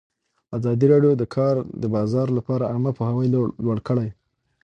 ازادي راډیو د د کار بازار لپاره عامه پوهاوي لوړ کړی.